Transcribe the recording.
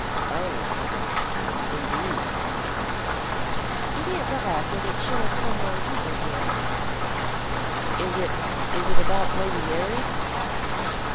"Oh, indeed." "It is odd that it should have come while you were here." "Is it, is it, about Lady Mary?"